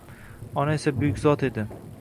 Ona esa buyuk zot edi...